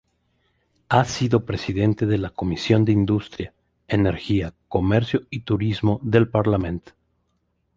Ha sido presidente de la Comisión de Industria, Energía, Comercio y Turismo del Parlament.